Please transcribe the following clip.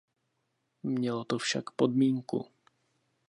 Mělo to však podmínku.